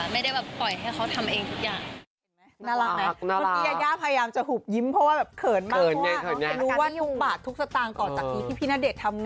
ไม่ได้แบบปล่อยให้เขาทำเองทุกอย่าง